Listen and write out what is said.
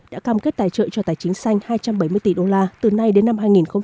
đã cam kết tài trợ cho tài chính xanh hai trăm bảy mươi tỷ đô la từ nay đến năm hai nghìn hai mươi